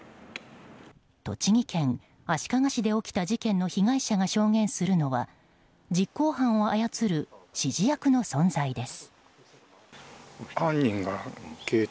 栃木県足利市で起きた事件の被害者が証言するのは実行犯を操る指示役の存在です。